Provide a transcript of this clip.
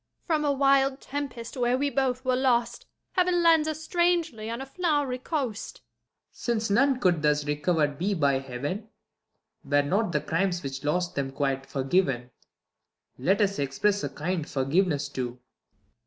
Jul. From a wild tempest, where we both were lost. Heaven lands us strangely on a flow'ry coast. Claud. Since none could thus recover 'd be by Heaven, THE LAW AGAINST LOVERS. 207 Were not the crimes which lost them quite for given, Let us express a kind forgiveness too.